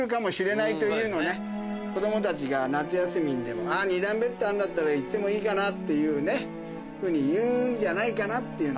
子供たちが夏休みにでも２段ベッドあんだったら行ってもいいかなっていうふうに言うんじゃないかなっていう。